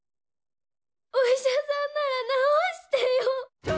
お医者さんなら治してよ。